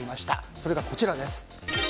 それがこちらです。